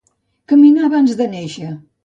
Caminar abans de néixer.